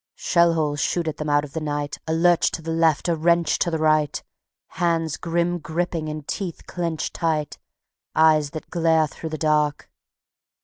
Shell holes shoot at them out of the night; A lurch to the left, a wrench to the right, Hands grim gripping and teeth clenched tight, Eyes that glare through the dark.